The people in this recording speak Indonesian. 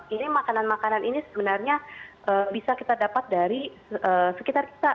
ini makanan makanan ini sebenarnya bisa kita dapat dari sekitar kita